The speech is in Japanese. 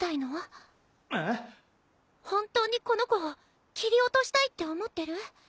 本当にこの子を切り落としたいって思ってる？